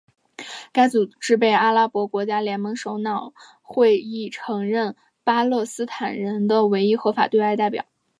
该组织被阿拉伯国家联盟首脑会议承认为巴勒斯坦人的唯一合法对外代表。